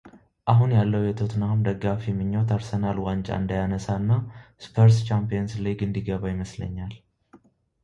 አሁን ያለው የቶተንሃም ደጋፊ ምኞት አርሰናል ዋንጫ እንዳያነሳ እና ሰፐርስ ቻምፒየንስ ሊግ እንዲገባ ይመስለኛል።